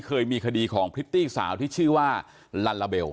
เคยมีคดีของพริตตี้สาวที่ชื่อว่าลัลลาเบล